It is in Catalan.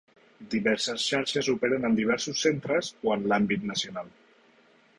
Diverses xarxes operen en diversos centres o en l'àmbit nacional.